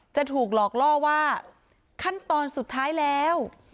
จะถูกหลอกล่อว่าขั้นตอนสุดท้ายแล้ว